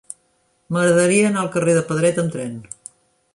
M'agradaria anar al carrer de Pedret amb tren.